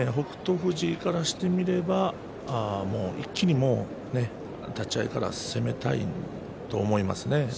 富士からしてみれば一気に立ち合いから攻めたいところですね。